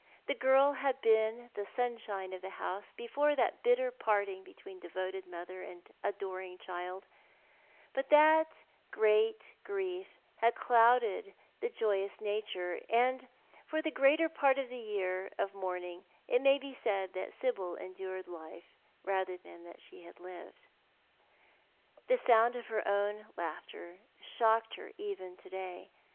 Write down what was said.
The girl had been the sunshine of the house before that bitter parting between devoted mother and adoring child; but that great grief had clouded the joyous nature, and for the greater part of the year of mourning it may be said that Sibyl endured life rather than that she lived. The sound of her own laughter shocked her even to day.